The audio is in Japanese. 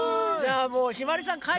じゃあもうひまりさん